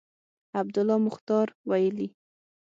عبدالله مختیار ویلي